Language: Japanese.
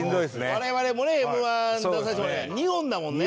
我々もねＭ−１出させてもらって２本だもんね。